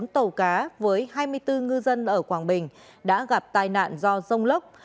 bốn tàu cá với hai mươi bốn ngư dân ở quảng bình đã gặp tai nạn do rông lốc